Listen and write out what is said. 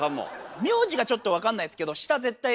名字がちょっと分かんないですけど下絶対。